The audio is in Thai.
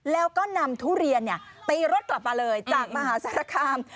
แล้วก็นำทุเรียนตีรถกลับมาเลยจากมหาสารคาม